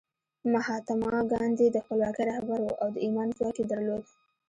مهاتما ګاندي د خپلواکۍ رهبر و او د ایمان ځواک یې درلود